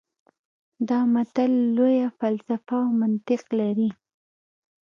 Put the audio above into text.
دا متل لویه فلسفه او منطق لري